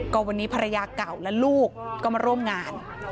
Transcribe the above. ก็วันนี้ภรรยาเก่าและลูกก็มาร่วมงาน